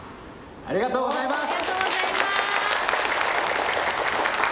ありがとうございます